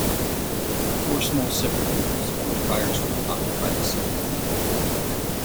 Four small separate rooms and the Prior's room occupied the second floor.